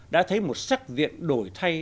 đã thấy một sắc diện đổi thay